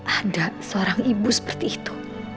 ada seorang ibu seperti itu